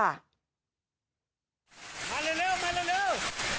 มาเร็วเร็วมาเร็วเร็ว